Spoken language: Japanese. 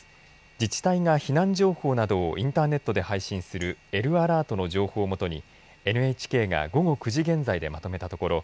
自治体が避難情報などをインターネットで配信するＬアラートの情報を基にＮＨＫが午後９時現在でまとめたところ